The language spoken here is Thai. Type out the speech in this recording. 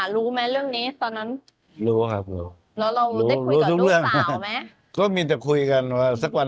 รู้ไหมเรื่องนี้ตอนนั้น